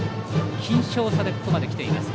僅少差でここまで来ています